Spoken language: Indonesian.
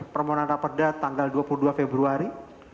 permohonan raperda tanggal dua puluh dua februari